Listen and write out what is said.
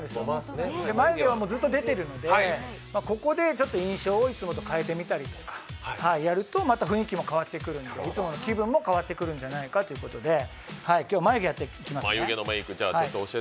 眉毛はずっと出てるので、ここでいつもと印象を変えてみるとやるとまた雰囲気も変わってくるので、気分も変わってくるんじゃないかということで今日は眉毛をやっていきます。